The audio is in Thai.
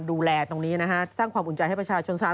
ดูแลตรงนี้นะฮะสร้างความอุ่นใจให้ประชาชนซ้ำ